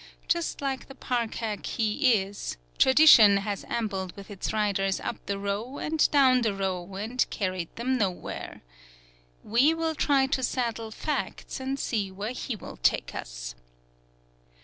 Just like the park hack he is, Tradition has ambled with its riders up the row and down the row, and carried them nowhere. We will try to saddle Facts and see where he will take us.